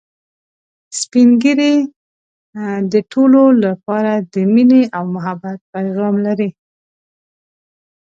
سپین ږیری د ټولو لپاره د ميني او محبت پیغام لري